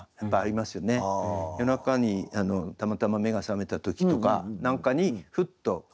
夜中にたまたま目が覚めた時とかなんかにふっと。